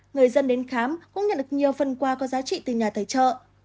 người dân đến khám cũng nhận được nhiều phân qua có giá trị từ nhà tài trợ